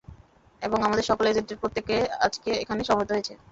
এবং আমাদের সকল এজেন্টের প্রত্যেকে আজকে এখানে সমবেত হয়েছে।